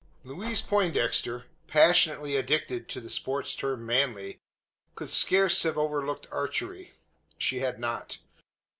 Louise Poindexter, passionately addicted to the sports termed "manly," could scarce have overlooked archery. She had not.